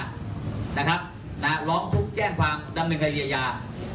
ร้องทุกข์แจ้งความดำเนินคดีอาญา